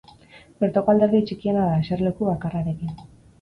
Bertoko alderdi txikiena da, eserleku bakarrarekin.